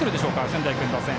仙台育英の打線。